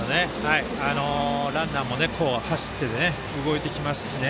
ランナーも走って動いてきますしね。